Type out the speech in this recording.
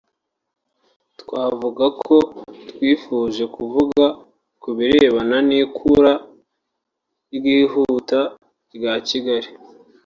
twavuga ko twifuje kuvuga ku birebana n’ikura ryihuta rya Kigali